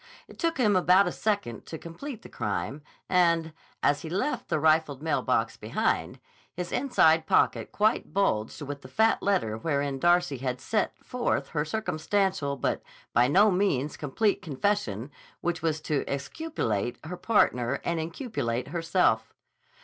It took him about a second to complete the crime, and, as he left the rifled mail box behind, his inside pocket quite bulged with the fat letter wherein Darcy had set forth her circumstantial but by no means complete confession which was to exculpate her partner and inculpate herself.